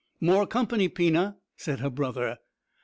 "More company, Pina," said her brother.